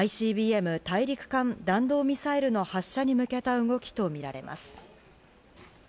ＩＣＢＭ＝大陸間弾道ミサイルの発射に向けた動きとみられます。